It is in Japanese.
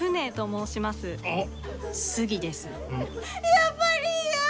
やっぱり嫌！